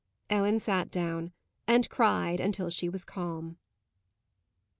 Ellen sat down, and cried until she was calm.